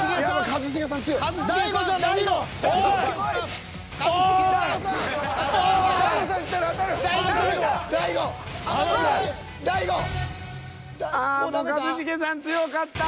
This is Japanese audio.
一茂さん強かった。